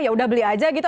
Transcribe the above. ya udah beli aja gitu